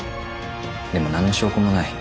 でも何の証拠もない。